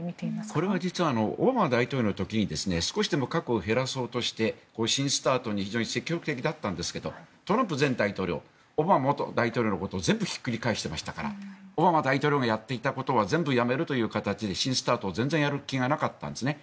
これは実はオバマ大統領の時に少しでも核を減らそうとして新ＳＴＡＲＴに非常に積極的だったんですがトランプ前大統領はオバマ元大統領のことを全部ひっくり返していましたからオバマ大統領がやっていたことは全部やめるという形に新ＳＴＡＲＴを全然やる気がなかったんですね。